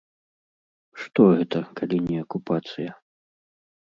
Што гэта, калі не акупацыя?